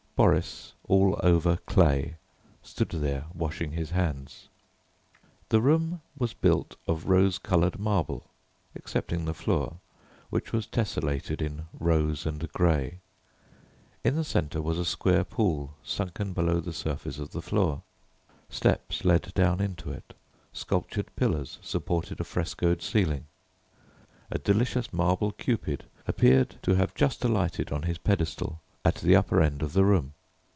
Boris, all over clay, stood there washing his hands. The room was built of rose coloured marble excepting the floor, which was tessellated in rose and grey. In the centre was a square pool sunken below the surface of the floor; steps led down into it, sculptured pillars supported a frescoed ceiling. A delicious marble Cupid appeared to have just alighted on his pedestal at the upper end of the room.